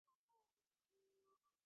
বিন্দু বাড়ি ছিল না।